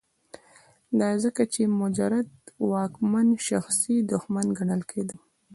دا ځکه چې مجرم د واکمن شخصي دښمن ګڼل کېده.